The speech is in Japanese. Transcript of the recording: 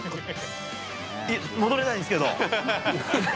戻れないんですけど。